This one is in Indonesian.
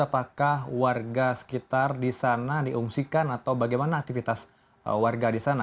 apakah warga sekitar di sana diungsikan atau bagaimana aktivitas warga di sana